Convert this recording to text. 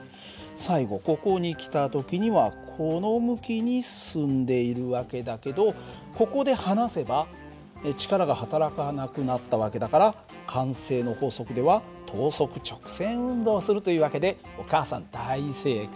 最後ここに来た時にはこの向きに進んでいる訳だけどここで放せば力がはたらかなくなった訳だから慣性の法則では等速直線運動をするという訳でお母さん大正解。